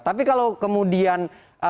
tapi kalau kemudian